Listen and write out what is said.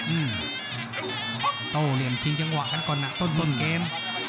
อืมโต้เหลี่ยมชิงจังหวะกันก่อนอ่ะต้นต้นเกม